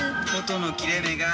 音の切れ目が。